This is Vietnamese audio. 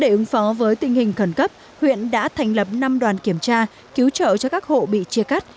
để ứng phó với tình hình khẩn cấp huyện đã thành lập năm đoàn kiểm tra cứu trợ cho các hộ bị chia cắt